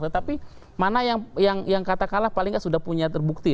tetapi mana yang katakanlah paling nggak sudah punya terbukti